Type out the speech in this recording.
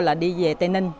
là đi về tây ninh